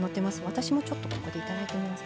私もここでいただいてみます。